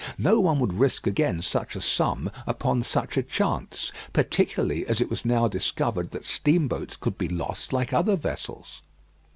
No one would risk again such a sum upon such a chance: particularly as it was now discovered that steamboats could be lost like other vessels.